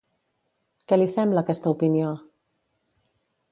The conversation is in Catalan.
Què li sembla aquesta opinió?